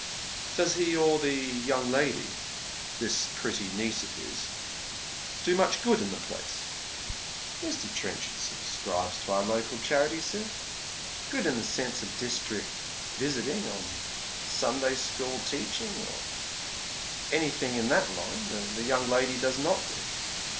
" Does he or the young lady — this pretty niece of his — do much good in the place ?"'* Mr. Trenchard subscribes to our local charities, sir. Good, in the sense of districk visiting, or Sunday school teaching, or any thing in that line, the young lady does not do.